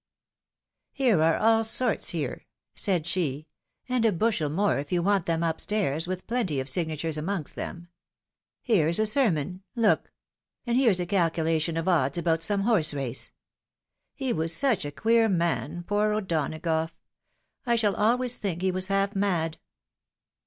Here are all sorts here," said she, " and a bushel more if you want them, up stairs, with plenty of signatures amongst them. Here's a sermon, look ! and here's a calculation of odda INDITING A LETTEE. 31 about some horse race. He was suet a queer man, poor O'Dona gough! — I shall always think he was half mad."